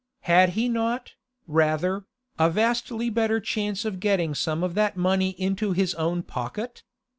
Had he not, rather, a vastly better chance of getting some of that money into his own pocket?